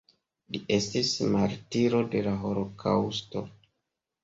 Li estis martiro de la holokaŭsto.